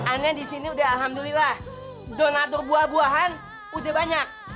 aneh disini udah alhamdulillah donatur buah buahan udah banyak